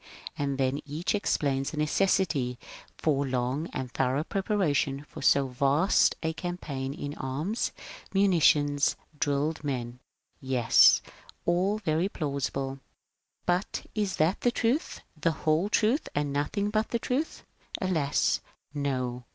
*' And then each explains the necessity for long and thorough preparation for so vast a campaign in arms, munitions, drilled men, etc., etc. — TesI all very plausible. But is that the truth, the whole truth, and nothing^ but the truth ? Alas, no